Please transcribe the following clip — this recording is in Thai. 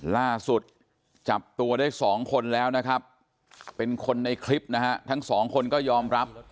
ล่าสุดจับตัวได้๒คนแล้วนะครับเป็นคนในคลิปนะฮะทั้งสองคนก็ยอมรับ